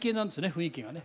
雰囲気がね。